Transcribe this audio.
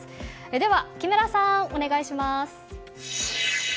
では木村さん、お願いします。